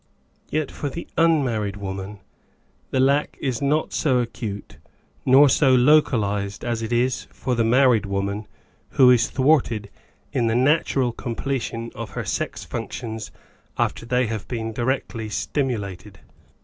Yet for the unmarried woman the lack is not so acute nor so localised as it is for the married woman who is thwarted in the natural completion of her sex functions after they have been directly stimulated.